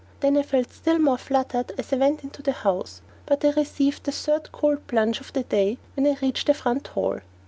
Then I felt still more fluttered as I went into the house, but I received the third cold plunge of the day when I reached the front hall.